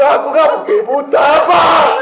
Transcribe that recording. aku gak mungkin buta pak